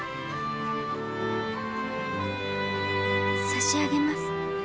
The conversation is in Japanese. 差し上げます。